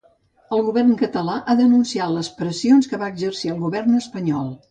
El govern català ha denunciat les pressions que va exercir el govern espanyol.